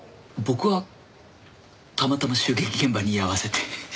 僕はたまたま襲撃現場に居合わせて。